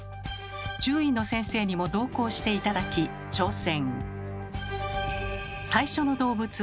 獣医の先生にも同行して頂き挑戦。